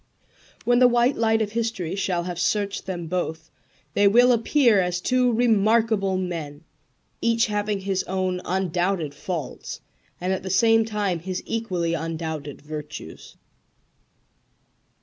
When the white light of history shall have searched them both they will appear as two remarkable men, each having his own undoubted faults and at the same time his equally undoubted virtues.